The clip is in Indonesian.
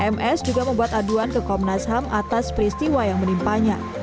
ms juga membuat aduan ke komnas ham atas peristiwa yang menimpanya